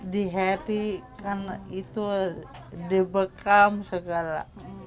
diheri kan itu dibekam segala